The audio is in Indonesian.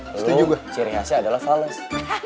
lu ciri hasnya adalah fales